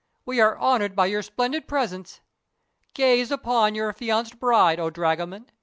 We are honored by your splendid presence. Gaze upon your affianced bride, O Dragoman!